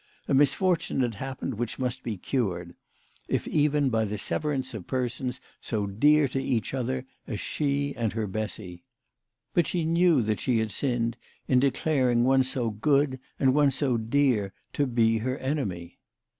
A misfortune had happened which must be cured if even by the severance of persons so dear to each other as she and her Bessy. But she knew that she had signed in declaring one so good, and one so dear, to be her enemy.